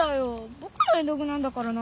ぼくの絵の具なんだからな！